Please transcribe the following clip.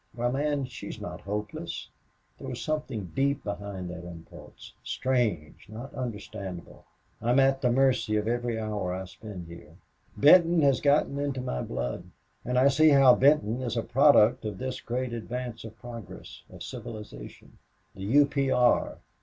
Why, man, she's not hopeless! There was something deep behind that impulse. Strange not understandable! I'm at the mercy of every hour I spend here. Benton has got into my blood. And I see how Benton is a product of this great advance of progress of civilization the U. P. R.